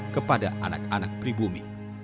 kepada anak anak pribumi